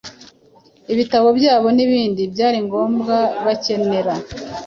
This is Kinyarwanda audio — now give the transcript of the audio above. ibitabo byabo n’ibindi bya ngombwa bakenera.